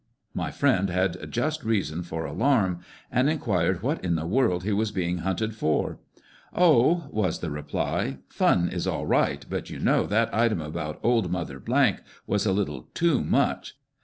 my friend had just reason for alarm, and inquired what in the world he was being " hunted" for ? "Oh !" was the reply "fun is all right, but you know that item about old Mother was a little too much.